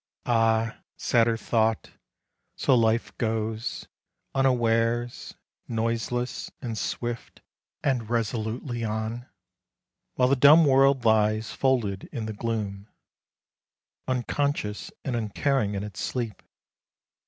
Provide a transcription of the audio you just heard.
Ah, sadder thought! So Life goes, unawares, Noiseless and swift and resolutely on, While the dumb world lies folded in the gloom, Unconscious and uncaring in its sleep.